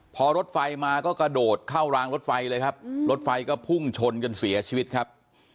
พอรถไฟมาก็กระโดดเข้ารางรถไฟเลยครับรถไฟก็พุ่งชนจนเสียชีวิตครับ